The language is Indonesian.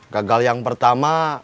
gagal yang pertama